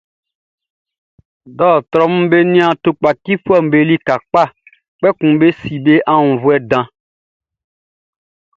Dɔɔtrɔʼm be nian tukpacifuɛʼm be lika kpa, kpɛkun be si be aunnvuɛ dan.